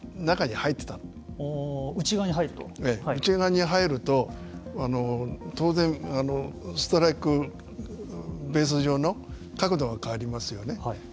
内側に入ると当然ストライク、ベース上の角度が変わりますよね。